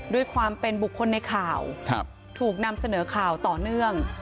ด้วยความเป็นบุคคลในข่าวถูกนำเสนอข่าวต่อเนื่อง